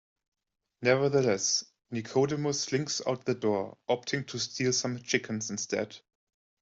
Nevertheless, Nicodemus slinks out the door, opting to steal some chickens instead.